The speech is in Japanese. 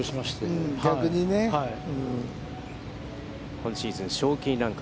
今シーズン賞金ランク